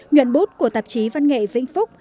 nguyện bút của tạp chí văn nghệ vĩnh phúc